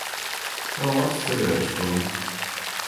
Lai labs ceļavējš, Tom!